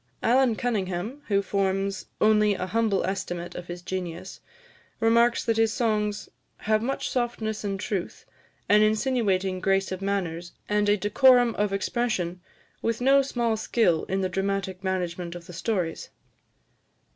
Allan Cunningham, who forms only a humble estimate of his genius, remarks that his songs "have much softness and truth, an insinuating grace of manners, and a decorum of expression, with no small skill in the dramatic management of the stories."